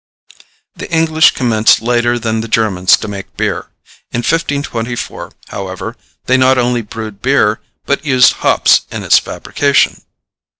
The English commenced later than the Germans to make beer. In 1524, however, they not only brewed beer, but used hops in its fabrication.